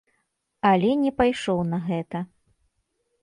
Але не пайшоў на гэта.